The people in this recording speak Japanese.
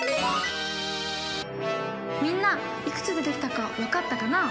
みんないくつ出てきたかわかったかな？